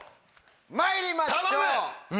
まいりましょう！